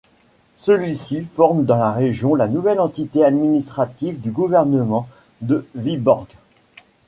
Celui-ci forme dans la région la nouvelle entité administrative du gouvernement de Vyborg.